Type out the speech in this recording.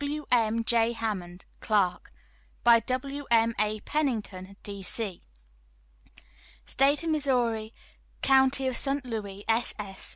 "WM. J. HAMMOND, Clerk. "By WM. A. PENNINGTON, D.C." "STATE OF MISSOURI, COUNTY OF ST. LOUIS. } _SS.